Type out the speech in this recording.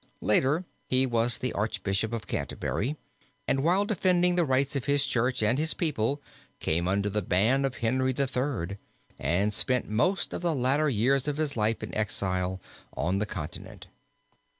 Later he was the Archbishop of Canterbury and while defending the rights of his church and his people, came under the ban of Henry III, and spent most of the latter years of his life in exile on the continent.